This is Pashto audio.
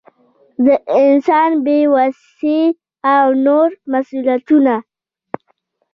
د انسان بې وسي او نور مسؤلیتونه.